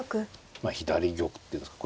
まあ左玉っていうんですか。